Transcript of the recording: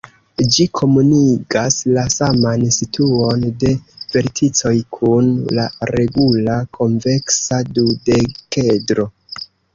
Ĝi komunigas la saman situon de verticoj kun la regula konveksa dudekedro.